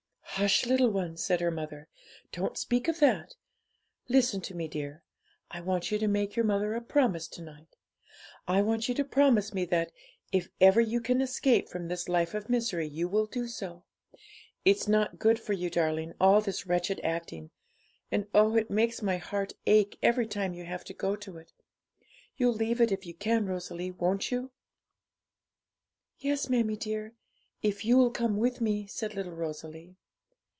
'Hush, little one!' said her mother; 'don't speak of that. Listen to me, dear; I want you to make your mother a promise to night. I want you to promise me that, if ever you can escape from this life of misery, you will do so; it's not good for you, darling, all this wretched acting and oh, it makes my heart ache every time you have to go to it. You'll leave it if you can, Rosalie; won't you?' 'Yes, mammie dear, if you'll come with me,' said little Rosalie.